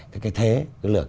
cái thế cái lược